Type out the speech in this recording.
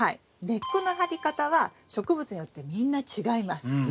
根っこの張り方は植物によってみんな違います。